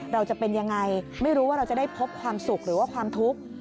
เราจะเป็นยังไงไม่รู้ว่าเราจะได้พบความสุขหรือว่าความทุกข์